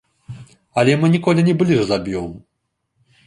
Але мы ніколі не былі жлаб'ём.